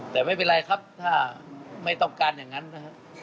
แต่ไม่เป็นไรครับถ้าไม่ต้องการอย่างนั้นนะครับ